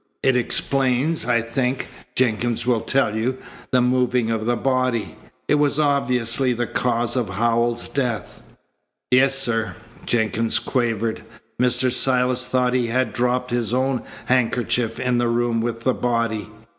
It explains, I think, Jenkins will tell you, the moving of the body. It was obviously the cause of Howells's death." "Yes, sir," Jenkins quavered. "Mr. Silas thought he had dropped his own handkerchief in the room with the body.